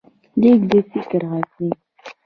لیک د فکر غږ دی.